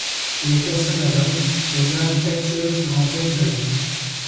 Pour les personnes aveugles des dalles tactiles seront installées.